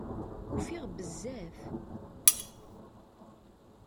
Ufiɣ bezzaf.